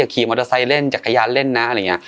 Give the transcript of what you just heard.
อย่าขี่มอเตอร์ไซต์เล่นอย่าเขยาเล่นนะ